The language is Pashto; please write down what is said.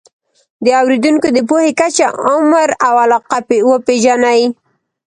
د اورېدونکو د پوهې کچه، عمر او علاقه وپېژنئ.